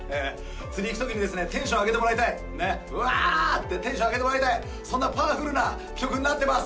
釣りに行くときにですねテンション上げてもらいたいねっうわ！ってテンション上げてもらいたいそんなパワフルな曲になってます